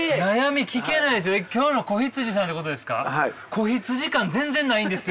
子羊感全然ないんですよ！